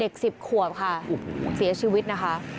๑๐ขวบค่ะเสียชีวิตนะคะ